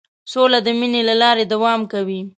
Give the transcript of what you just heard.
سوله د مینې له لارې دوام کوي.